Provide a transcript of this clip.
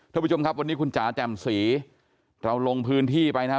ท่านผู้ชมครับวันนี้คุณจ๋าแจ่มสีเราลงพื้นที่ไปนะฮะ